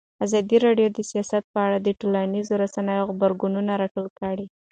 ازادي راډیو د سیاست په اړه د ټولنیزو رسنیو غبرګونونه راټول کړي.